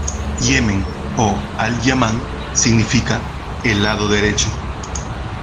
Yemen o al-Yaman significa 'el lado derecho'.